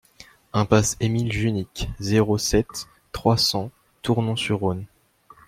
Impasse Émile Junique, zéro sept, trois cents Tournon-sur-Rhône